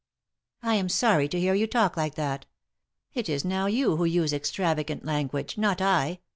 "I am sorry to hear you talk like that. It is now you who use extravagant language, not I.